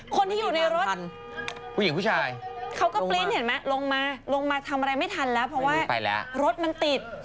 คนที่อยู่ในรถผู้หญิงผู้ชายเขาก็ปริ้นเห็นไหมลงมาลงมาทำอะไรไม่ทันแล้วเพราะว่ารถมันติด